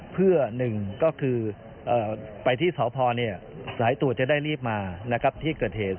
เพื่อหนึ่งก็คือไปที่สอพอเนี่ยหลายตัวจะได้รีบมานะครับที่เกิดเหตุ